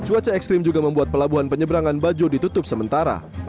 cuaca ekstrim juga membuat pelabuhan penyeberangan bajo ditutup sementara